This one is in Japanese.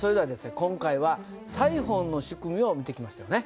今回はサイホンの仕組みを見てきましたよね。